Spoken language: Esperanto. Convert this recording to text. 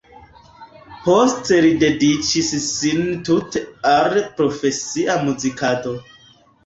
Poste li dediĉis sin tute al profesia muzikado.